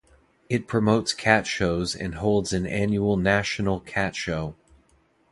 It promotes cat shows and holds an annual national cat show.